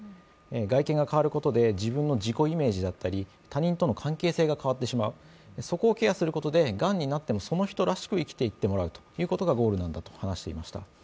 外見が変わることで自分の自己イメージだったり他人との関係性が変わってしまう、そこをケアすることでがんになってもその人らしく生きていってもらうということがゴールなんだと話していました。